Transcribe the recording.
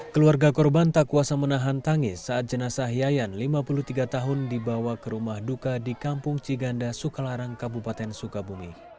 keluarga korban tak kuasa menahan tangis saat jenazah yayan lima puluh tiga tahun dibawa ke rumah duka di kampung ciganda sukalarang kabupaten sukabumi